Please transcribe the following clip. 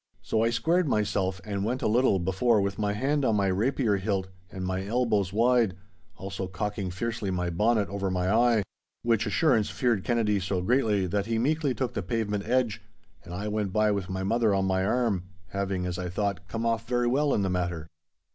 So I squared myself, and went a little before with my hand on my rapier hilt and my elbows wide, also cocking fiercely my bonnet over my eye—which assurance feared Anthony so greatly that he meekly took the pavement edge, and I went by with my mother on my arm, having, as I thought, come off very well in the matter.